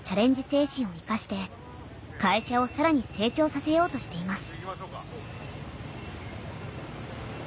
精神を生かして会社をさらに成長させようとしています